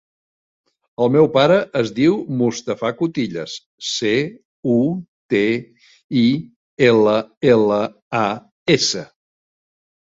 El meu pare es diu Mustafa Cutillas: ce, u, te, i, ela, ela, a, essa.